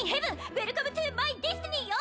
ウエルカムトゥマイディスティニーよ！